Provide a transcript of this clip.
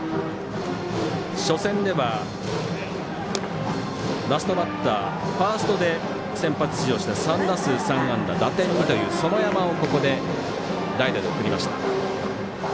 初戦ではラストバッター、ファーストで先発出場して３打数３安打、打点２という園山をここで代打で送りました。